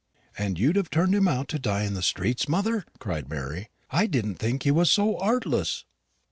"And you'd have turned him out to die in the streets, mother!" cried Mary; "I didn't think you was so 'artless."